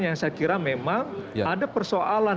yang saya kira memang ada persoalan